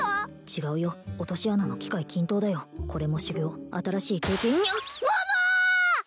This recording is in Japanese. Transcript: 違うよ落とし穴の機会均等だよこれも修行新しい経験んにゃっ桃！